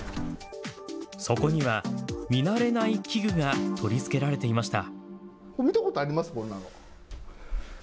そこには見慣れない器具が取り付けられていました。